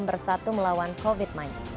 bersatu melawan covid sembilan belas